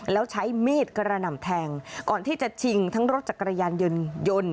แล้วใช้มีดกระหน่ำแทงก่อนที่จะชิงทั้งรถจักรยานยนต์ยนต์